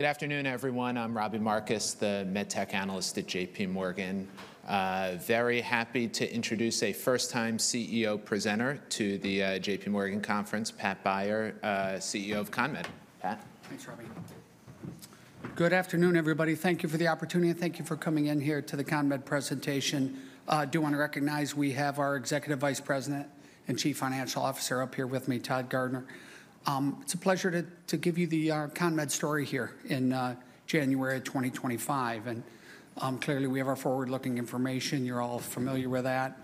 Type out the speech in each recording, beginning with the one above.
Good afternoon, everyone. I'm Robbie Marcus, the MedTech analyst at J.P. Morgan. Very happy to introduce a first-time CEO presenter to the J.P. Morgan Conference, Pat Beyer, CEO of CONMED. Pat. Thanks, Robbie. Good afternoon, everybody. Thank you for the opportunity, and thank you for coming in here to the CONMED presentation. I do want to recognize we have our Executive Vice President and Chief Financial Officer up here with me, Todd Garner. It's a pleasure to give you the CONMED story here in January of 2025, and clearly, we have our forward-looking information. You're all familiar with that.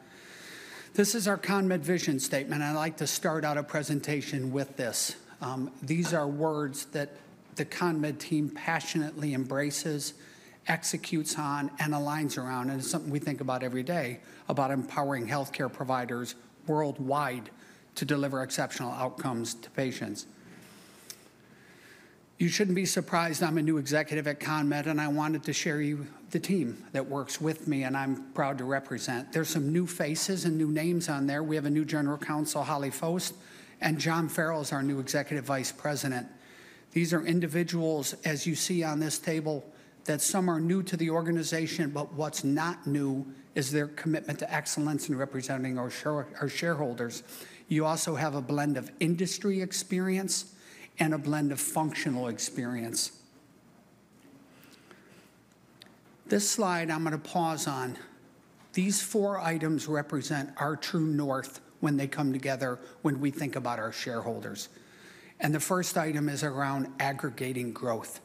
This is our CONMED vision statement, and I'd like to start out a presentation with this. These are words that the CONMED team passionately embraces, executes on, and aligns around, and it's something we think about every day, about empowering healthcare providers worldwide to deliver exceptional outcomes to patients. You shouldn't be surprised. I'm a new executive at CONMED, and I wanted to share with you the team that works with me, and I'm proud to represent. There's some new faces and new names on there. We have a new General Counsel, Hollie Foust, and John Ferrell is our new Executive Vice President. These are individuals, as you see on this table, that some are new to the organization, but what's not new is their commitment to excellence in representing our shareholders. You also have a blend of industry experience and a blend of functional experience. This slide I'm going to pause on. These four items represent our true north when they come together, when we think about our shareholders, and the first item is around aggregating growth.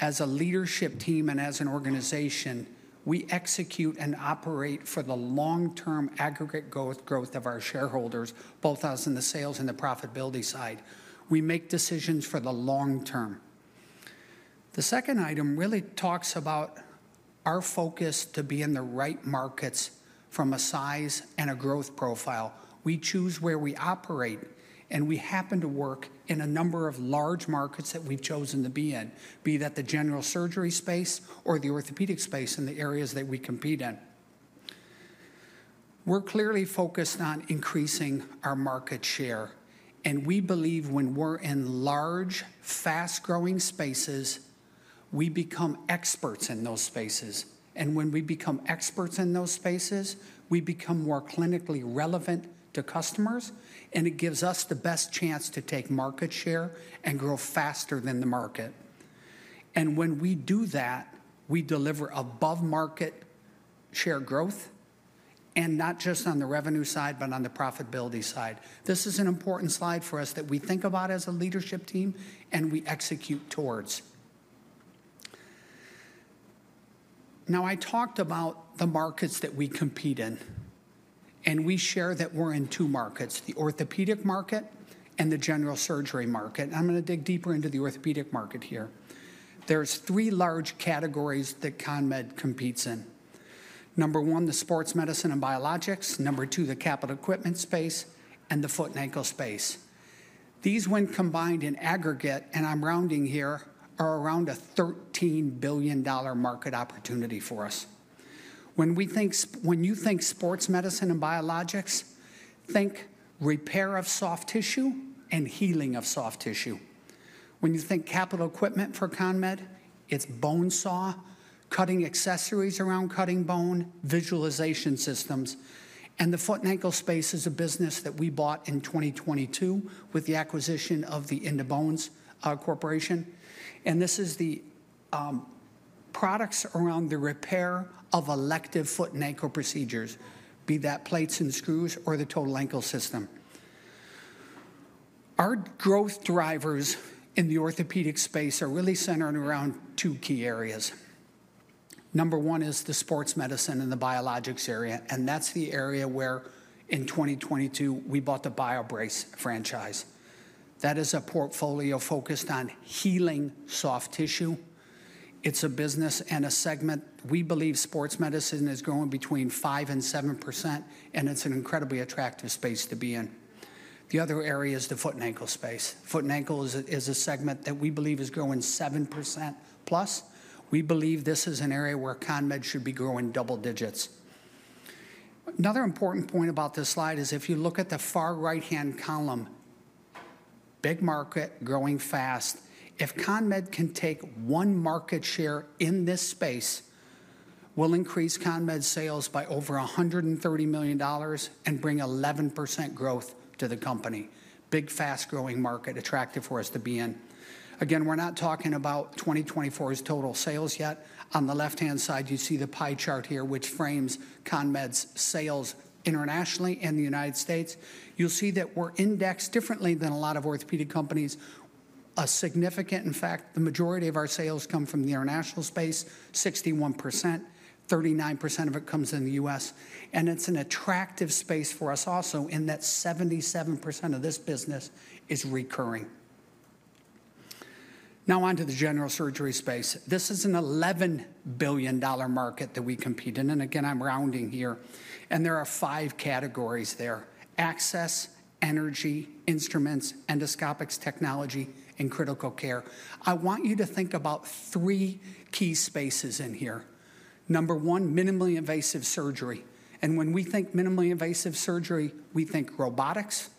As a leadership team and as an organization, we execute and operate for the long-term aggregate growth of our shareholders, both us in the sales and the profitability side. We make decisions for the long term. The second item really talks about our focus to be in the right markets from a size and a growth profile. We choose where we operate, and we happen to work in a number of large markets that we've chosen to be in, be that the general surgery space or the orthopedic space and the areas that we compete in. We're clearly focused on increasing our market share. And we believe when we're in large, fast-growing spaces, we become experts in those spaces. And when we become experts in those spaces, we become more clinically relevant to customers, and it gives us the best chance to take market share and grow faster than the market. And when we do that, we deliver above-market share growth, and not just on the revenue side, but on the profitability side. This is an important slide for us that we think about as a leadership team, and we execute towards. Now, I talked about the markets that we compete in, and we share that we're in two markets, the orthopedic market and the general surgery market. And I'm going to dig deeper into the orthopedic market here. There's three large categories that CONMED competes in. Number one, the sports medicine and biologics. Number two, the capital equipment space and the foot and ankle space. These, when combined in aggregate, and I'm rounding here, are around a $13 billion market opportunity for us. When you think sports medicine and biologics, think repair of soft tissue and healing of soft tissue. When you think capital equipment for CONMED, it's bone saw, cutting accessories around cutting bone, visualization systems. The foot and ankle space is a business that we bought in 2022 with the acquisition of the In2Bones Corporation. This is the products around the repair of elective foot and ankle procedures, be that plates and screws or the total ankle system. Our growth drivers in the orthopedic space are really centered around two key areas. Number one is the sports medicine and the biologics area. That's the area where in 2022, we bought the BioBrace franchise. That is a portfolio focused on healing soft tissue. It's a business and a segment. We believe sports medicine is growing between 5% and 7%, and it's an incredibly attractive space to be in. The other area is the foot and ankle space. Foot and ankle is a segment that we believe is growing 7% plus. We believe this is an area where CONMED should be growing double digits. Another important point about this slide is if you look at the far right-hand column, big market growing fast. If CONMED can take one market share in this space, we'll increase CONMED sales by over $130 million and bring 11% growth to the company. Big, fast-growing market attractive for us to be in. Again, we're not talking about 2024's total sales yet. On the left-hand side, you see the pie chart here, which frames CONMED's sales internationally in the United States. You'll see that we're indexed differently than a lot of orthopedic companies. A significant, in fact, the majority of our sales come from the international space, 61%. 39% of it comes in the U.S., and it's an attractive space for us also in that 77% of this business is recurring. Now, on to the general surgery space. This is an $11 billion market that we compete in. Again, I'm rounding here. There are five categories there: access, energy, instruments, endoscopics, technology, and critical care. I want you to think about three key spaces in here. Number one, minimally invasive surgery. When we think minimally invasive surgery, we think robotics,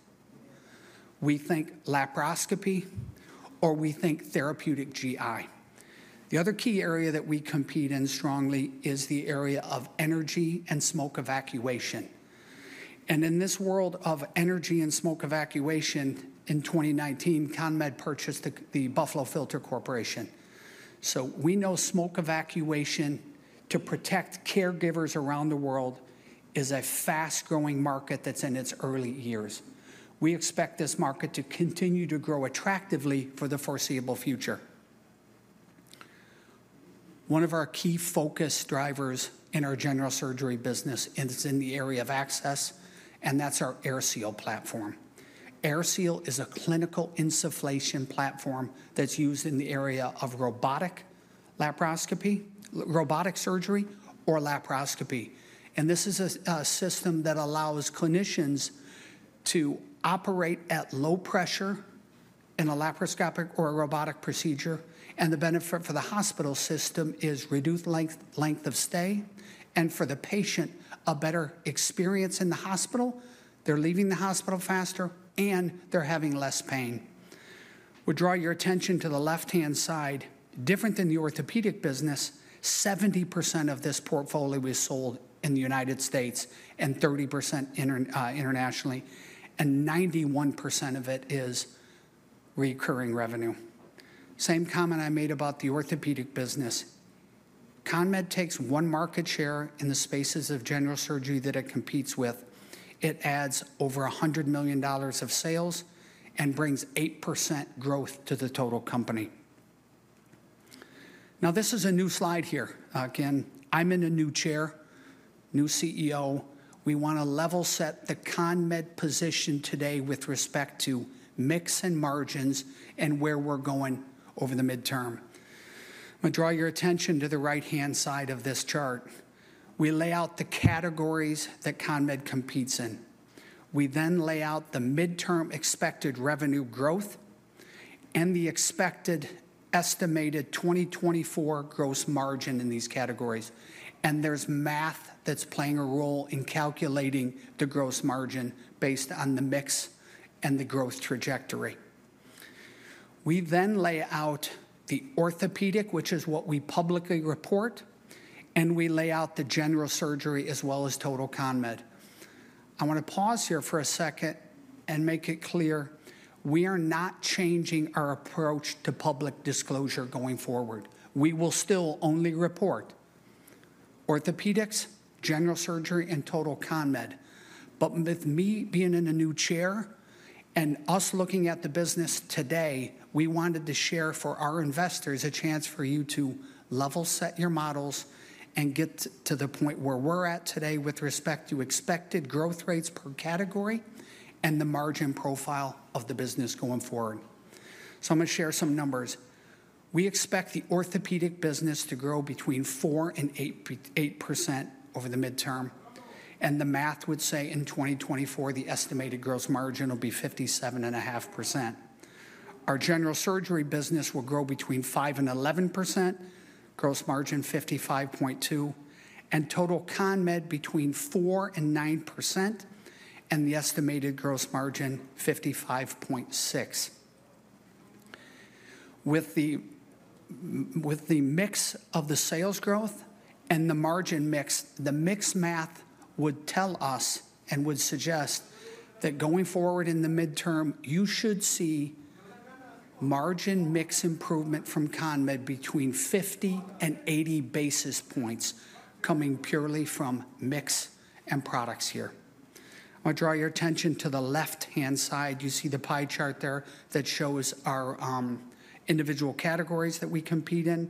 we think laparoscopy, or we think therapeutic GI. The other key area that we compete in strongly is the area of energy and smoke evacuation. In this world of energy and smoke evacuation, in 2019, CONMED purchased the Buffalo Filter Corporation. We know smoke evacuation to protect caregivers around the world is a fast-growing market that's in its early years. We expect this market to continue to grow attractively for the foreseeable future. One of our key focus drivers in our general surgery business is in the area of access, and that's our AirSeal platform. AirSeal is a clinical insufflation platform that's used in the area of robotic laparoscopy, robotic surgery, or laparoscopy. And this is a system that allows clinicians to operate at low pressure in a laparoscopic or a robotic procedure. And the benefit for the hospital system is reduced length of stay. And for the patient, a better experience in the hospital. They're leaving the hospital faster, and they're having less pain. We'll draw your attention to the left-hand side. Different than the orthopedic business, 70% of this portfolio is sold in the United States and 30% internationally, and 91% of it is recurring revenue. Same comment I made about the orthopedic business. CONMED takes one market share in the spaces of general surgery that it competes with. It adds over $100 million of sales and brings 8% growth to the total company. Now, this is a new slide here. Again, I'm in a new chair, new CEO. We want to level set the CONMED position today with respect to mix and margins and where we're going over the midterm. I'm going to draw your attention to the right-hand side of this chart. We lay out the categories that CONMED competes in. We then lay out the midterm expected revenue growth and the expected estimated 2024 gross margin in these categories, and there's math that's playing a role in calculating the gross margin based on the mix and the growth trajectory. We then lay out the orthopedics, which is what we publicly report, and we lay out the general surgery as well as total CONMED. I want to pause here for a second and make it clear. We are not changing our approach to public disclosure going forward. We will still only report orthopedics, general surgery, and total CONMED. But with me being in a new chair and us looking at the business today, we wanted to share for our investors a chance for you to level set your models and get to the point where we're at today with respect to expected growth rates per category and the margin profile of the business going forward. So I'm going to share some numbers. We expect the orthopedic business to grow between 4% and 8% over the midterm. And the math would say in 2024, the estimated gross margin will be 57.5%. Our general surgery business will grow between 5% and 11%, gross margin 55.2%, and total CONMED between 4% and 9%, and the estimated gross margin 55.6%. With the mix of the sales growth and the margin mix, the mix math would tell us and would suggest that going forward in the midterm, you should see margin mix improvement from CONMED between 50 and 80 basis points coming purely from mix and products here. I want to draw your attention to the left-hand side. You see the pie chart there that shows our individual categories that we compete in.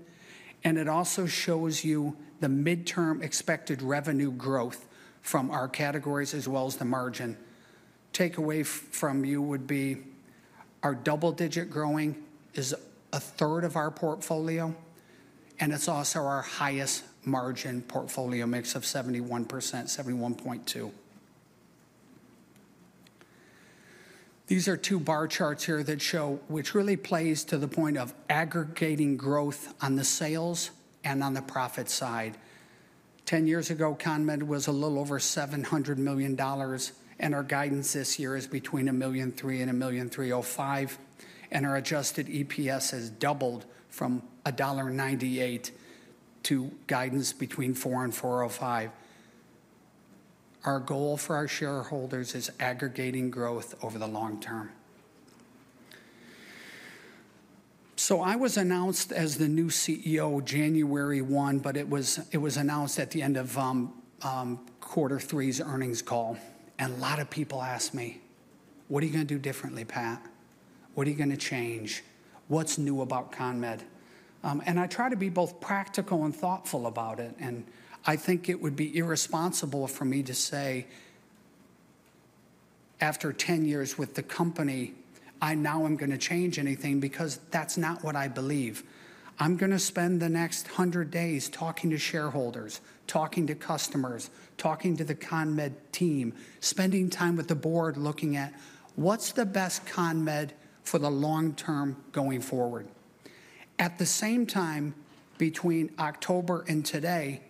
And it also shows you the midterm expected revenue growth from our categories as well as the margin. Take away from you would be our double-digit growing is a third of our portfolio, and it's also our highest margin portfolio mix of 71%, 71.2%. These are two bar charts here that show, which really plays to the point of aggregating growth on the sales and on the profit side. Ten years ago, CONMED was a little over $700 million, and our guidance this year is between $1.303 billion and $1.305 billion. And our adjusted EPS has doubled from $1.98 to guidance between $4.00 and $4.05. Our goal for our shareholders is organic growth over the long term. So I was announced as the new CEO January 1, but it was announced at the end of quarter three's earnings call. And a lot of people asked me, "What are you going to do differently, Pat? What are you going to change? What's new about CONMED?" And I try to be both practical and thoughtful about it. And I think it would be irresponsible for me to say, "After ten years with the company, I now am going to change anything," because that's not what I believe. I'm going to spend the next 100 days talking to shareholders, talking to customers, talking to the CONMED team, spending time with the board looking at what's the best CONMED for the long term going forward. At the same time, between October and today,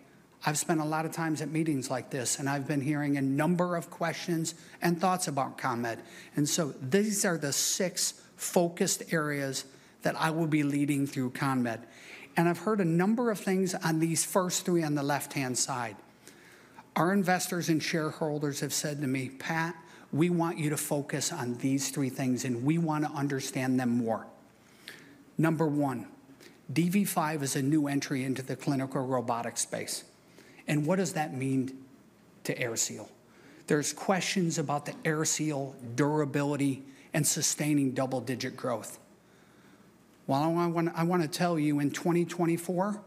I've spent a lot of time at meetings like this, and I've been hearing a number of questions and thoughts about CONMED. And so these are the six focused areas that I will be leading through CONMED. And I've heard a number of things on these first three on the left-hand side. Our investors and shareholders have said to me, "Pat, we want you to focus on these three things, and we want to understand them more." Number one, DV5 is a new entry into the clinical robotic space. And what does that mean to AirSeal? There's questions about the AirSeal durability and sustaining double-digit growth. I want to tell you, in 2024,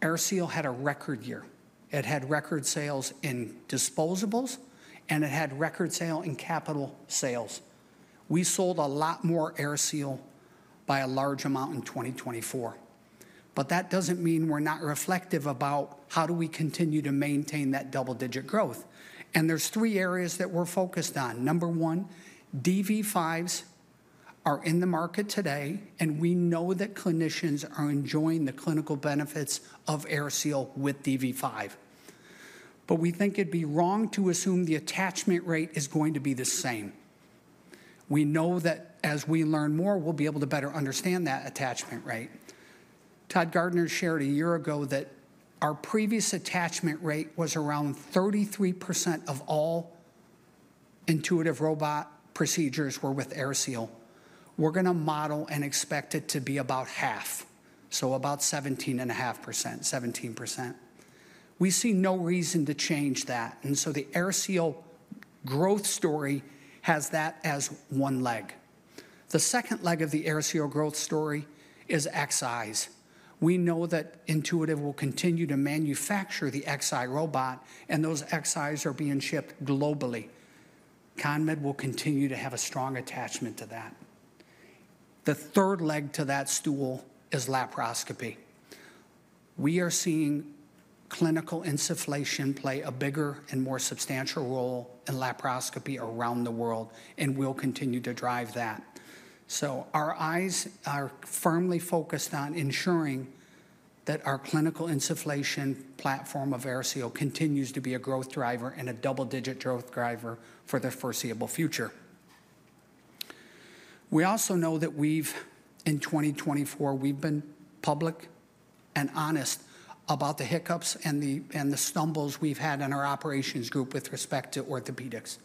AirSeal had a record year. It had record sales in disposables, and it had record sales in capital sales. We sold a lot more AirSeal by a large amount in 2024. But that doesn't mean we're not reflective about how do we continue to maintain that double-digit growth. And there's three areas that we're focused on. Number one, DV5s are in the market today, and we know that clinicians are enjoying the clinical benefits of AirSeal with DV5. But we think it'd be wrong to assume the attachment rate is going to be the same. We know that as we learn more, we'll be able to better understand that attachment rate. Todd Garner shared a year ago that our previous attachment rate was around 33% of all Intuitive robot procedures were with AirSeal. We're going to model and expect it to be about half, so about 17.5%, 17%. We see no reason to change that. And so the AirSeal growth story has that as one leg. The second leg of the AirSeal growth story is Xis. We know that Intuitive will continue to manufacture the Xi robot, and those Xis are being shipped globally. CONMED will continue to have a strong attachment to that. The third leg to that stool is laparoscopy. We are seeing clinical insufflation play a bigger and more substantial role in laparoscopy around the world, and we'll continue to drive that. So our eyes are firmly focused on ensuring that our clinical insufflation platform of AirSeal continues to be a growth driver and a double-digit growth driver for the foreseeable future. We also know that in 2024, we've been public and honest about the hiccups and the stumbles we've had in our operations group with respect to orthopedics.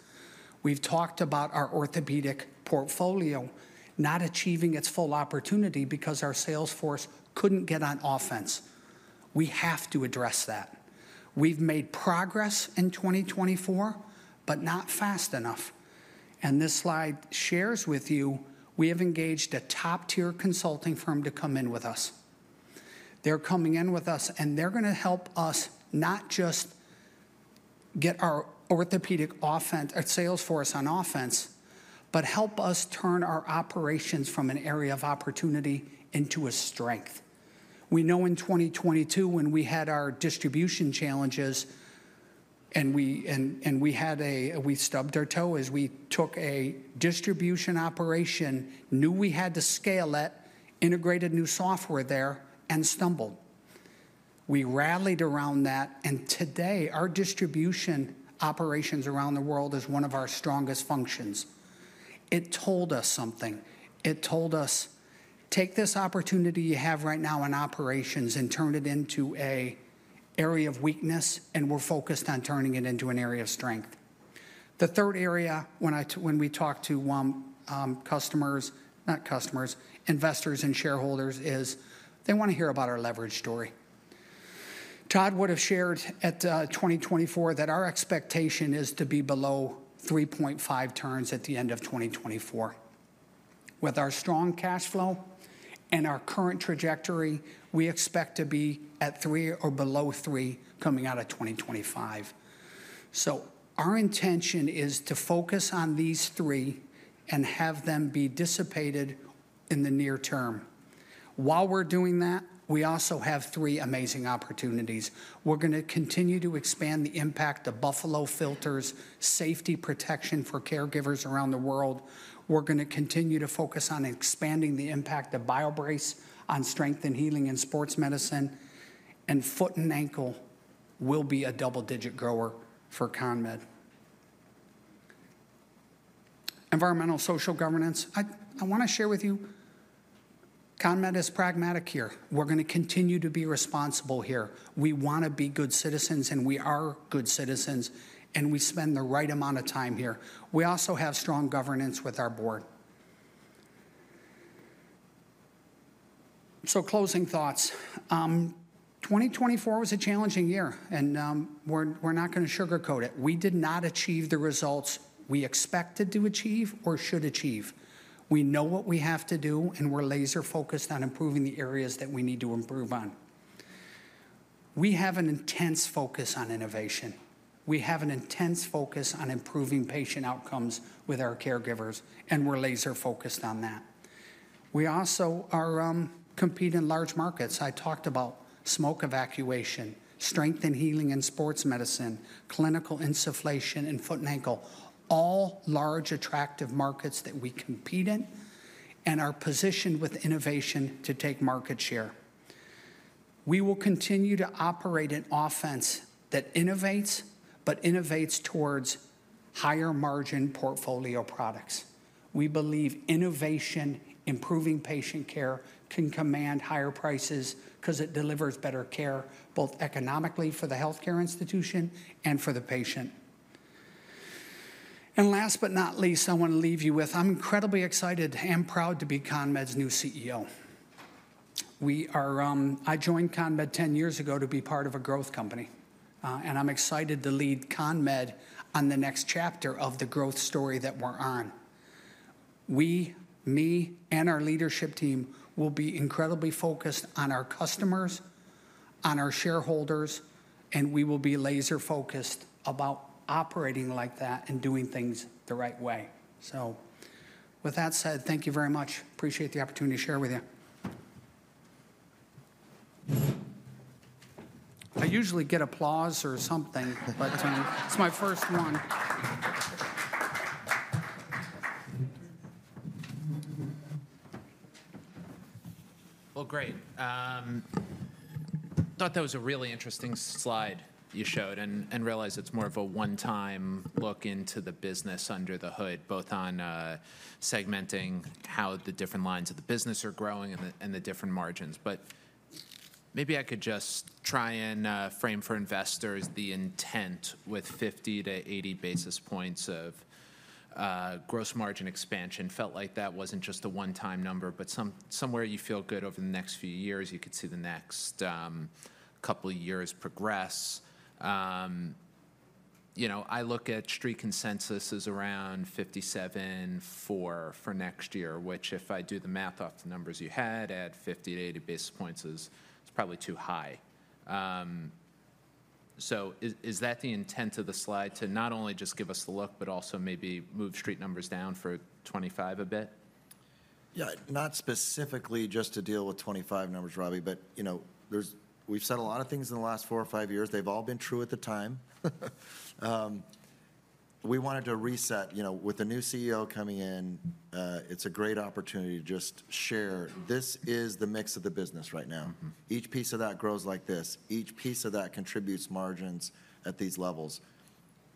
We've talked about our orthopedic portfolio not achieving its full opportunity because our sales force couldn't get on offense. We have to address that. We've made progress in 2024, but not fast enough. This slide shares with you we have engaged a top-tier consulting firm to come in with us. They're coming in with us, and they're going to help us not just get our orthopedic sales force on offense, but help us turn our operations from an area of opportunity into a strength. We know in 2022, when we had our distribution challenges, and we stubbed our toe as we took a distribution operation, knew we had to scale it, integrated new software there, and stumbled. We rallied around that, and today, our distribution operations around the world is one of our strongest functions. It told us something. It told us, "Take this opportunity you have right now in operations and turn it into an area of weakness, and we're focused on turning it into an area of strength." The third area, when we talk to customers, not customers, investors and shareholders, is they want to hear about our leverage story. Todd would have shared at 2024 that our expectation is to be below 3.5 turns at the end of 2024. With our strong cash flow and our current trajectory, we expect to be at three or below three coming out of 2025. So our intention is to focus on these three and have them be dissipated in the near term. While we're doing that, we also have three amazing opportunities. We're going to continue to expand the impact of Buffalo Filter's safety protection for caregivers around the world. We're going to continue to focus on expanding the impact of BioBrace on strength and healing and sports medicine. Foot and ankle will be a double-digit grower for CONMED. Environmental social governance. I want to share with you, CONMED is pragmatic here. We're going to continue to be responsible here. We want to be good citizens, and we are good citizens, and we spend the right amount of time here. We also have strong governance with our board. Closing thoughts. 2024 was a challenging year, and we're not going to sugarcoat it. We did not achieve the results we expected to achieve or should achieve. We know what we have to do, and we're laser-focused on improving the areas that we need to improve on. We have an intense focus on innovation. We have an intense focus on improving patient outcomes with our caregivers, and we're laser-focused on that. We also compete in large markets. I talked about smoke evacuation, strength and healing and sports medicine, clinical insufflation and foot and ankle, all large attractive markets that we compete in and are positioned with innovation to take market share. We will continue to operate an offense that innovates, but innovates towards higher margin portfolio products. We believe innovation, improving patient care can command higher prices because it delivers better care, both economically for the healthcare institution and for the patient. And last but not least, I want to leave you with, I'm incredibly excited and proud to be CONMED's new CEO. I joined CONMED 10 years ago to be part of a growth company, and I'm excited to lead CONMED on the next chapter of the growth story that we're on. We, me, and our leadership team will be incredibly focused on our customers, on our shareholders, and we will be laser-focused about operating like that and doing things the right way. So with that said, thank you very much. Appreciate the opportunity to share with you. I usually get applause or something, but it's my first one. Well, great. I thought that was a really interesting slide you showed and realized it's more of a one-time look into the business under the hood, both on segmenting how the different lines of the business are growing and the different margins. But maybe I could just try and frame for investors the intent with 50-80 basis points of gross margin expansion. Felt like that wasn't just a one-time number, but somewhere you feel good over the next few years, you could see the next couple of years progress. I look at street consensus is around 57% for next year, which if I do the math off the numbers you had, add 50-80 basis points, it's probably too high. So is that the intent of the slide to not only just give us the look, but also maybe move street numbers down for 25 a bit? Yeah, not specifically just to deal with 25 numbers, Robbie, but we've said a lot of things in the last four or five years. They've all been true at the time. We wanted to reset with the new CEO coming in. It's a great opportunity to just share. This is the mix of the business right now. Each piece of that grows like this. Each piece of that contributes margins at these levels.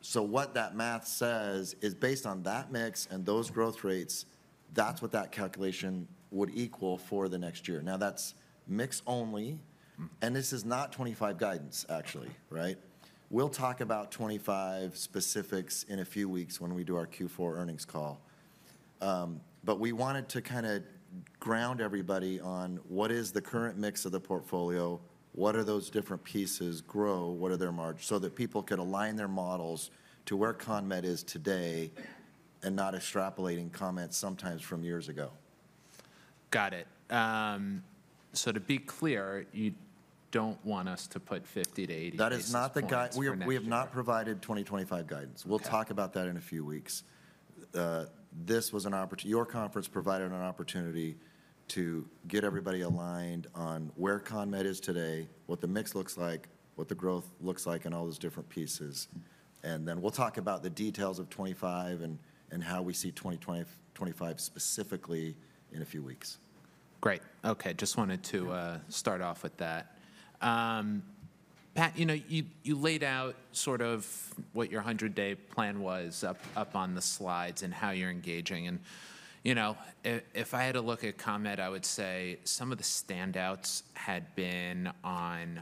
So what that math says is based on that mix and those growth rates, that's what that calculation would equal for the next year. Now, that's mix only, and this is not 25 guidance, actually, right? We'll talk about 25 specifics in a few weeks when we do our Q4 earnings call. But we wanted to kind of ground everybody on what is the current mix of the portfolio, what are those different pieces grow, what are their margins so that people can align their models to where CONMED is today and not extrapolating comments sometimes from years ago. Got it. So to be clear, you don't want us to put 50 to 80 basis points. That is not the guidance. We have not provided 2025 guidance. We'll talk about that in a few weeks. This was an opportunity. Your conference provided an opportunity to get everybody aligned on where CONMED is today, what the mix looks like, what the growth looks like, and all those different pieces, and then we'll talk about the details of 25 and how we see 2025 specifically in a few weeks. Great. Okay. Just wanted to start off with that. Pat, you laid out sort of what your 100-day plan was up on the slides and how you're engaging, and if I had to look at CONMED, I would say some of the standouts had been on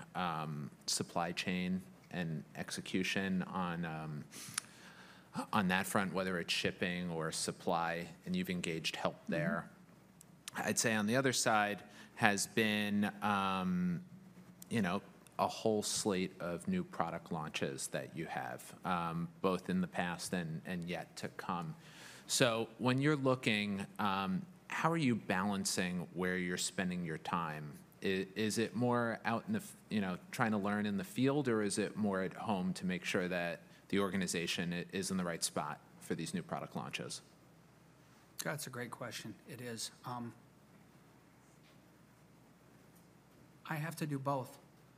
supply chain and execution on that front, whether it's shipping or supply, and you've engaged help there. I'd say on the other side has been a whole slate of new product launches that you have, both in the past and yet to come. So when you're looking, how are you balancing where you're spending your time? Is it more out in the trying to learn in the field, or is it more at home to make sure that the organization is in the right spot for these new product launches? That's a great question. It is. I have to do both.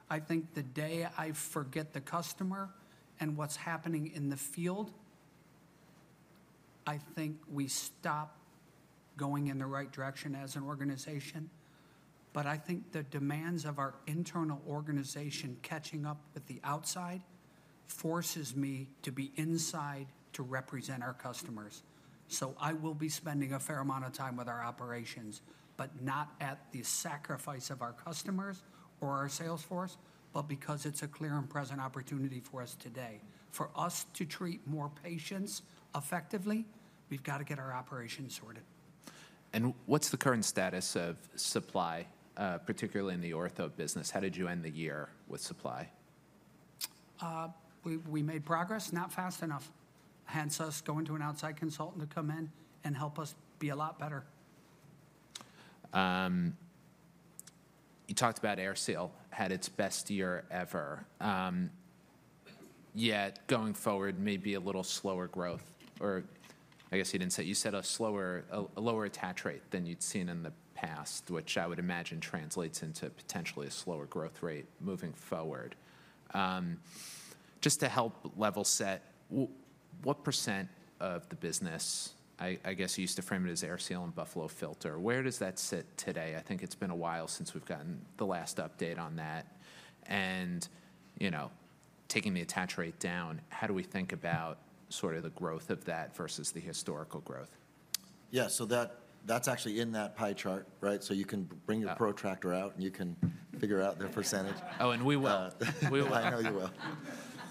I think the day I forget the customer and what's happening in the field, I think we stop going in the right direction as an organization. But I think the demands of our internal organization catching up with the outside forces me to be inside to represent our customers. So I will be spending a fair amount of time with our operations, but not at the sacrifice of our customers or our sales force, but because it's a clear and present opportunity for us today. For us to treat more patients effectively, we've got to get our operations sorted. And what's the current status of supply, particularly in the ortho business? How did you end the year with supply? We made progress, not fast enough. Hence, us going to an outside consultant to come in and help us be a lot better. You talked about AirSeal had its best year ever, yet going forward may be a little slower growth, or I guess you didn't say. You said a lower attach rate than you'd seen in the past, which I would imagine translates into potentially a slower growth rate moving forward. Just to help level set, what % of the business, I guess you used to frame it as AirSeal and Buffalo Filter, where does that sit today? I think it's been a while since we've gotten the last update on that. And taking the attach rate down, how do we think about sort of the growth of that versus the historical growth? Yeah, so that's actually in that pie chart, right? So you can bring your protractor out and you can figure out the percentage. Oh, and we will. I know you will.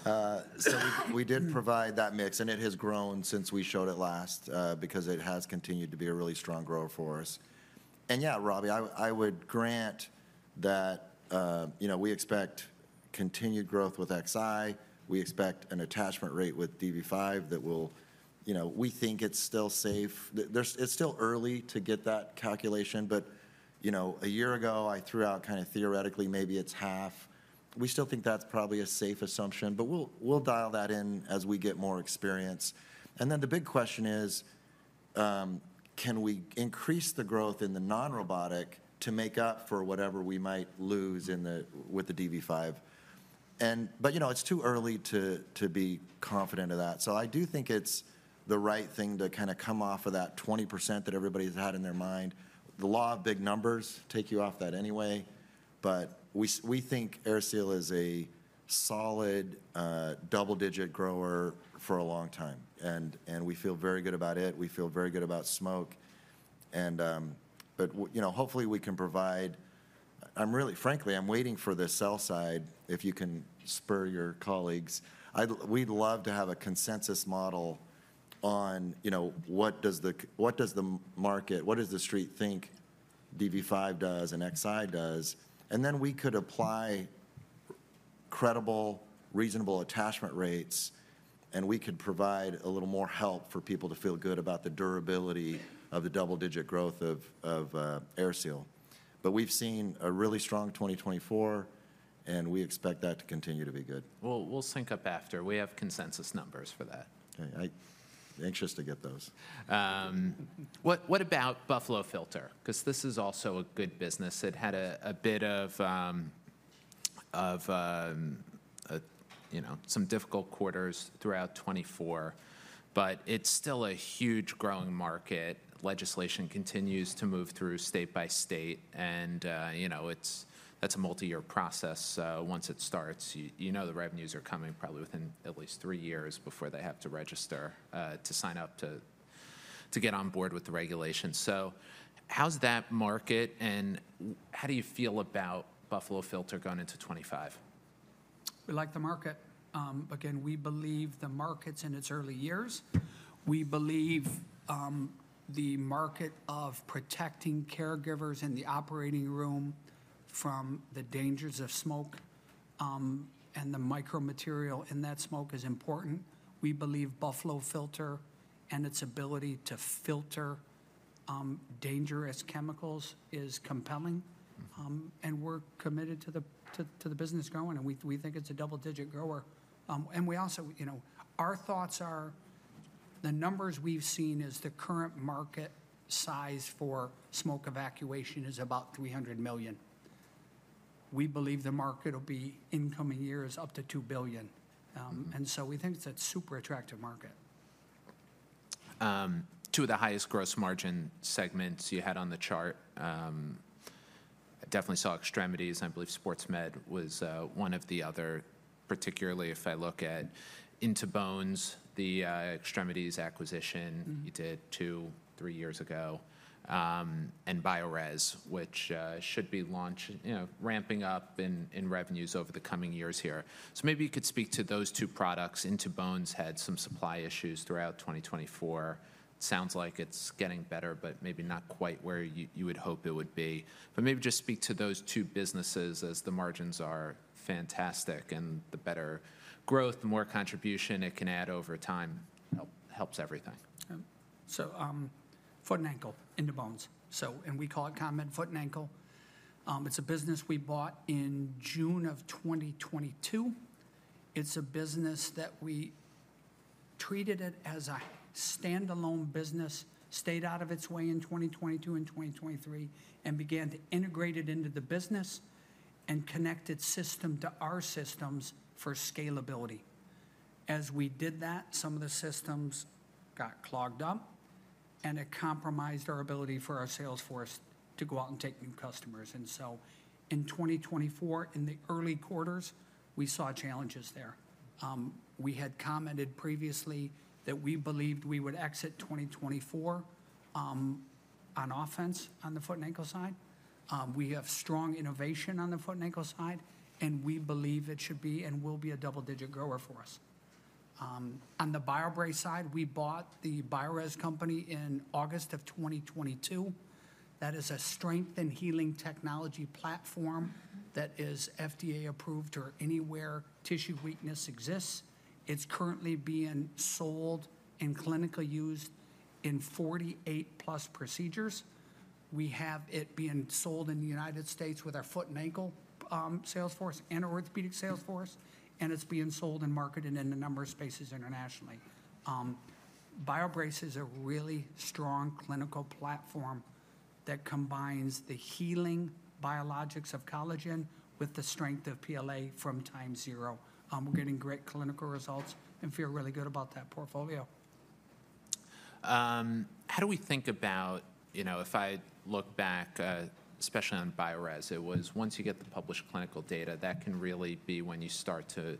So we did provide that mix, and it has grown since we showed it last because it has continued to be a really strong grower for us. And yeah, Robbie, I would grant that we expect continued growth with Xi. We expect an attachment rate with DV5 that will we think it's still safe. It's still early to get that calculation, but a year ago, I threw out kind of theoretically maybe it's half. We still think that's probably a safe assumption, but we'll dial that in as we get more experience. And then the big question is, can we increase the growth in the non-robotic to make up for whatever we might lose with the DV5? But it's too early to be confident of that. So I do think it's the right thing to kind of come off of that 20% that everybody's had in their mind. The law of big numbers takes you off that anyway. But we think AirSeal is a solid double-digit grower for a long time, and we feel very good about it. We feel very good about smoke. But hopefully we can provide frankly, I'm waiting for the sell side if you can spur your colleagues. We'd love to have a consensus model on what does the market, what does the street think DV5 does and Xi does. And then we could apply credible, reasonable attachment rates, and we could provide a little more help for people to feel good about the durability of the double-digit growth of AirSeal. But we've seen a really strong 2024, and we expect that to continue to be good. We'll sync up after. We have consensus numbers for that. Okay. I'm anxious to get those. What about Buffalo Filter? Because this is also a good business. It had a bit of some difficult quarters throughout 2024, but it's still a huge growing market. Legislation continues to move through state by state, and that's a multi-year process. Once it starts, you know the revenues are coming probably within at least three years before they have to register to sign up to get on board with the regulation. So how's that market, and how do you feel about Buffalo Filter going into 2025? We like the market. Again, we believe the market's in its early years. We believe the market of protecting caregivers in the operating room from the dangers of smoke and the micromaterial in that smoke is important. We believe Buffalo Filter and its ability to filter dangerous chemicals is compelling, and we're committed to the business growing, and we think it's a double-digit grower, and our thoughts are the numbers we've seen is the current market size for smoke evacuation is about $300 million. We believe the market will be in coming years up to $2 billion. And so we think it's a super attractive market. Two of the highest gross margin segments you had on the chart. I definitely saw Extremities. I believe Sports Med was one of the other, particularly if I look at In2Bones, the Extremities acquisition you did two, three years ago, and BioRez, which should be ramping up in revenues over the coming years here. So maybe you could speak to those two products. In2Bones had some supply issues throughout 2024. It sounds like it's getting better, but maybe not quite where you would hope it would be. But maybe just speak to those two businesses as the margins are fantastic, and the better growth, the more contribution it can add over time helps everything. So Foot and Ankle, In2Bones. And we call it CONMED Foot and Ankle. It's a business we bought in June of 2022. It's a business that we treated as a standalone business, stayed out of its way in 2022 and 2023, and began to integrate it into the business and connect its system to our systems for scalability. As we did that, some of the systems got clogged up, and it compromised our ability for our sales force to go out and take new customers, and so in 2024, in the early quarters, we saw challenges there. We had commented previously that we believed we would exit 2024 on offense on the Foot and Ankle side. We have strong innovation on the Foot and Ankle side, and we believe it should be and will be a double-digit grower for us. On the BioBrace side, we bought the BioRez company in August of 2022. That is a strength and healing technology platform that is FDA approved for anywhere tissue weakness exists. It's currently being sold and clinically used in 48-plus procedures. We have it being sold in the United States with our Foot and Ankle sales force and our orthopedic sales force, and it's being sold and marketed in a number of spaces internationally. BioBrace is a really strong clinical platform that combines the healing biologics of collagen with the strength of PLA from time zero. We're getting great clinical results, and feel really good about that portfolio. How do we think about if I look back, especially on BioRez, it was once you get the published clinical data, that can really be when you start to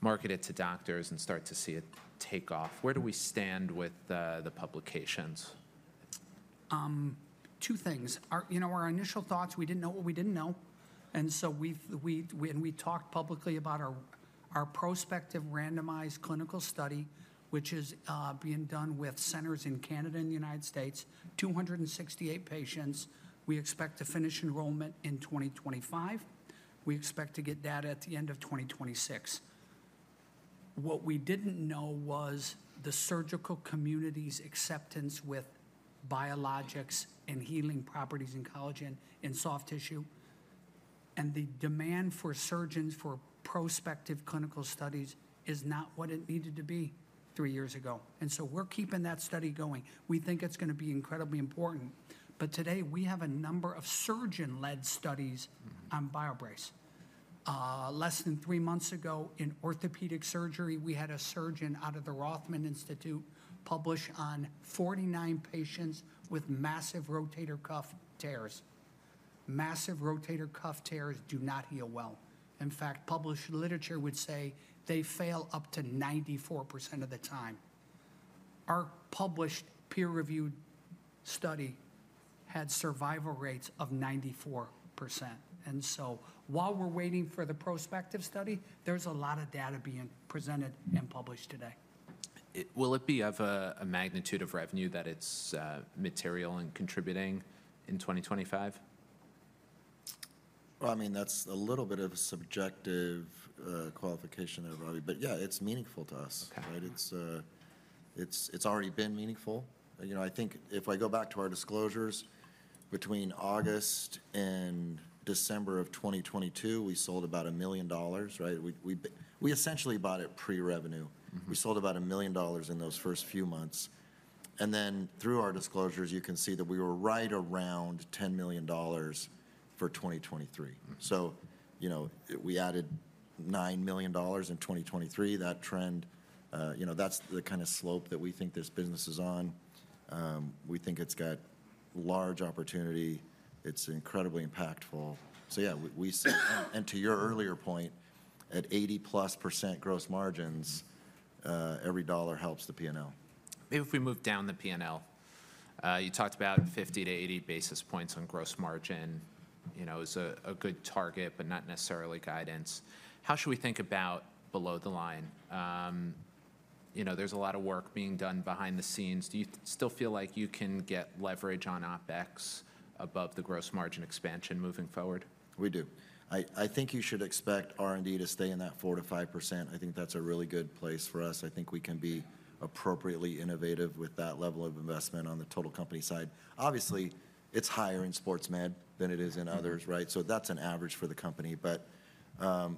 market it to doctors and start to see it take off. Where do we stand with the publications? Two things. Our initial thoughts, we didn't know what we didn't know. And so we talked publicly about our prospective randomized clinical study, which is being done with centers in Canada and the United States, 268 patients. We expect to finish enrollment in 2025. We expect to get data at the end of 2026. What we didn't know was the surgical community's acceptance with biologics and healing properties in collagen and soft tissue. And the demand for surgeons for prospective clinical studies is not what it needed to be three years ago. And so we're keeping that study going. We think it's going to be incredibly important. But today, we have a number of surgeon-led studies on BioBrace. Less than three months ago in orthopedic surgery, we had a surgeon out of the Rothman Orthopaedics publish on 49 patients with massive rotator cuff tears. Massive rotator cuff tears do not heal well. In fact, published literature would say they fail up to 94% of the time. Our published peer-reviewed study had survival rates of 94%. And so while we're waiting for the prospective study, there's a lot of data being presented and published today. Will it be of a magnitude of revenue that it's material in contributing in 2025? Well, I mean, that's a little bit of a subjective qualification there, Robbie. But yeah, it's meaningful to us, right? It's already been meaningful. I think if I go back to our disclosures, between August and December of 2022, we sold about $1 million, right? We essentially bought it pre-revenue. We sold about $1 million in those first few months. And then through our disclosures, you can see that we were right around $10 million for 2023. So we added $9 million in 2023. That trend, that's the kind of slope that we think this business is on. We think it's got large opportunity. It's incredibly impactful. So yeah, we see it. And to your earlier point, at 80-plus% gross margins, every dollar helps the P&L. Maybe if we move down the P&L. You talked about 50-80 basis points on gross margin is a good target, but not necessarily guidance. How should we think about below the line? There's a lot of work being done behind the scenes. Do you still feel like you can get leverage on OpEx above the gross margin expansion moving forward? \We do. I think you should expect R&D to stay in that 4%-5%. I think that's a really good place for us. I think we can be appropriately innovative with that level of investment on the total company side. Obviously, it's higher in Sports Med than it is in others, right? So that's an average for the company. But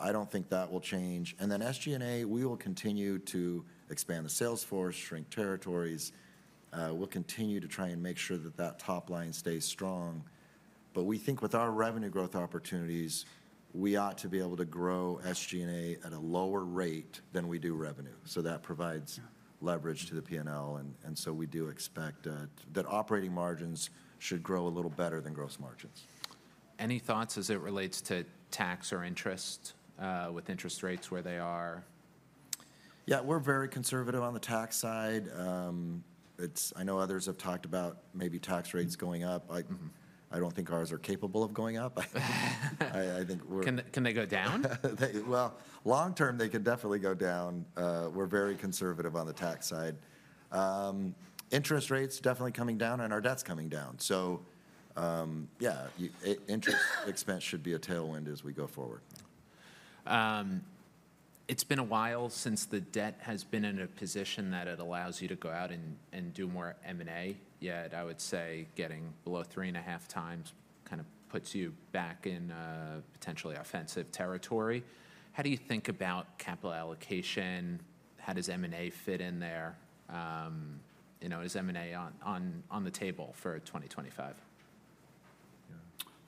I don't think that will change. And then SG&A, we will continue to expand the sales force, shrink territories. We'll continue to try and make sure that that top line stays strong. But we think with our revenue growth opportunities, we ought to be able to grow SG&A at a lower rate than we do revenue. So that provides leverage to the P&L. And so we do expect that operating margins should grow a little better than gross margins. Any thoughts as it relates to tax or interest with interest rates where they are? Yeah, we're very conservative on the tax side. I know others have talked about maybe tax rates going up. I don't think ours are capable of going up. I think we're. Can they go down? Well, long-term, they could definitely go down. We're very conservative on the tax side. Interest rates definitely coming down, and our debt's coming down. So yeah, interest expense should be a tailwind as we go forward. It's been a while since the debt has been in a position that it allows you to go out and do more M&A. Yet, I would say getting below three and a half times kind of puts you back in potentially offensive territory. How do you think about capital allocation? How does M&A fit in there? Is M&A on the table for 2025?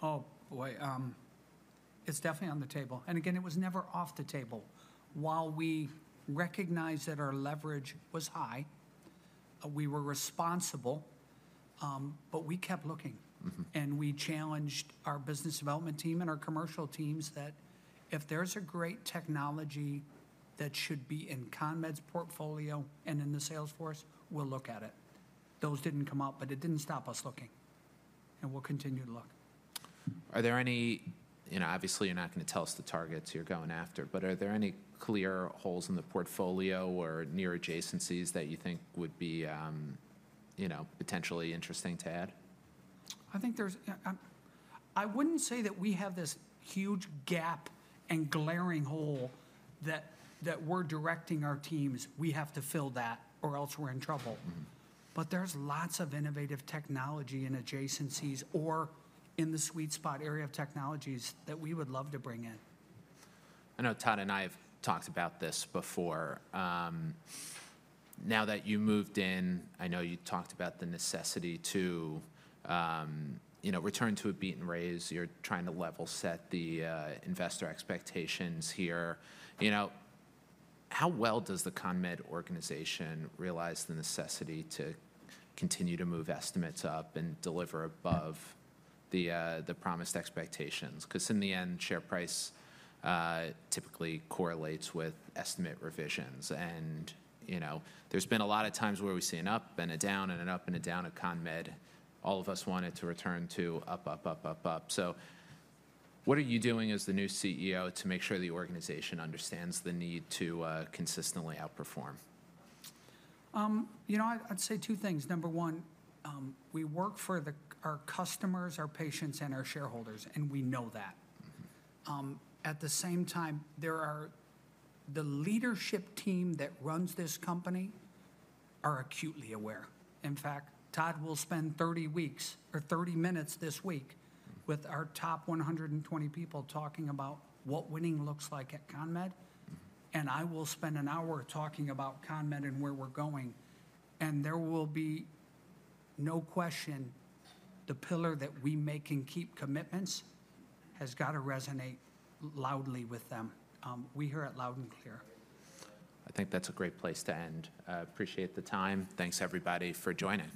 Oh, boy. It's definitely on the table. And again, it was never off the table. While we recognize that our leverage was high, we were responsible, but we kept looking. We challenged our business development team and our commercial teams that if there's a great technology that should be in CONMED's portfolio and in the sales force, we'll look at it. Those didn't come up, but it didn't stop us looking. We'll continue to look. Are there any, obviously, you're not going to tell us the targets you're going after, but are there any clear holes in the portfolio or near adjacencies that you think would be potentially interesting to add? I think there's, I wouldn't say that we have this huge gap and glaring hole that we're directing our teams. We have to fill that or else we're in trouble. There's lots of innovative technology in adjacencies or in the sweet spot area of technologies that we would love to bring in. I know Todd and I have talked about this before. Now that you moved in, I know you talked about the necessity to return to a beat and raise. You're trying to level set the investor expectations here. How well does the CONMED organization realize the necessity to continue to move estimates up and deliver above the promised expectations? Because in the end, share price typically correlates with estimate revisions, and there's been a lot of times where we see an up and a down and an up and a down at CONMED. All of us want it to return to up, up, up, up, up, so what are you doing as the new CEO to make sure the organization understands the need to consistently outperform? I'd say two things. Number one, we work for our customers, our patients, and our shareholders, and we know that. At the same time, the leadership team that runs this company are acutely aware. In fact, Todd will spend 30 weeks or 30 minutes this week with our top 120 people talking about what winning looks like at CONMED. And I will spend an hour talking about CONMED and where we're going. And there will be no question the pillar that we make and keep commitments has got to resonate loudly with them. We hear it loud and clear. I think that's a great place to end. I appreciate the time. Thanks, everybody, for joining.